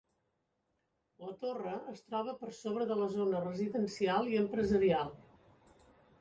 La torre es troba per sobre de la zona residencial i empresarial.